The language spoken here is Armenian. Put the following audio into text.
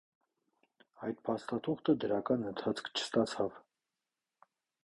Այդ փաստաթուղթը դրական ընթացք չստացավ։